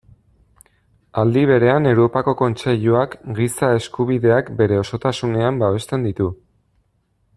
Aldi berean Europako Kontseiluak giza eskubideak bere osotasunean babesten ditu.